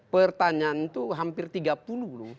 pertanyaan itu hampir tiga puluh loh